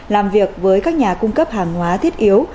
làm việc với các nhà cung cấp hàng hóa thiết yếu